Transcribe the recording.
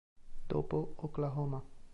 Dopo "Oklahoma!